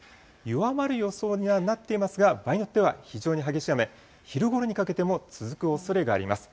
弱まる予想にはなっていますが、場合によっては非常に激しい雨、昼ごろにかけても続くおそれがあります。